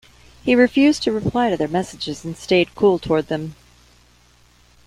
He refused to reply to their messages and stayed cool toward them.